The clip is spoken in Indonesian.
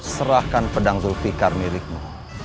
serahkan pedang zulfiqar milikmu